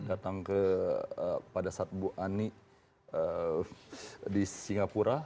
datang pada saat bu ani di singapura